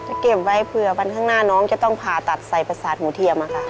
เก็บไว้เผื่อวันข้างหน้าน้องจะต้องผ่าตัดใส่ประสาทหมูเทียมค่ะ